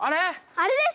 あれです。